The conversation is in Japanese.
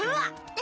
え？